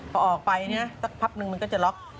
พอออกไปปั๊บหนึ่งมันก็จะล็อก